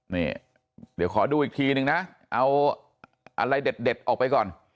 นี่เดี๋ยวขอดูอีกทีนึงนะเอาอะไรเด็ดออกไปก่อน